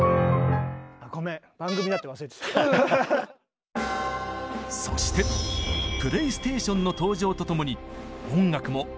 そしてプレイステーションの登場とともに音楽もまた変化します。